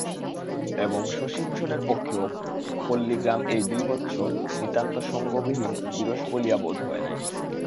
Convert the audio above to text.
এবং শশিভূষণের পক্ষেও পল্লীগ্রাম এই দুই বৎসর নিতান্ত সঙ্গবিহীন বিরস বলিয়া বোধ হয় নাই।